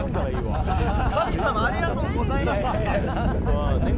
神様、ありがとうございます。